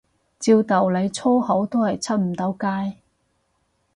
照道理粗口都係出唔到街